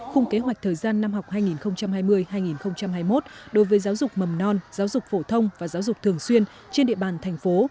khung kế hoạch thời gian năm học hai nghìn hai mươi hai nghìn hai mươi một đối với giáo dục mầm non giáo dục phổ thông và giáo dục thường xuyên trên địa bàn thành phố